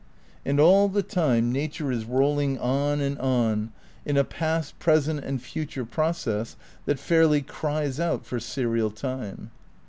And all the time nature is rolling on and on in a past, present and future process that fairly cries out for serial time.